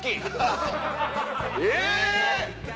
え！